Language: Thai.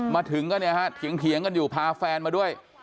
มาถึงก็เนี่ยฮะเถียงกันอยู่พาแฟนมาด้วย